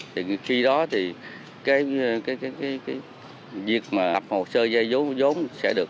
thì khi đó thì cái việc mà hợp hộ sơ dai dốn sẽ được cái nhân dụng